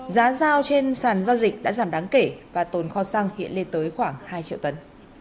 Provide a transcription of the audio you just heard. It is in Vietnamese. giá giao trên sàn giao dịch đã giảm đáng kể và tồn kho xăng hiện lên tới khoảng hai triệu tấn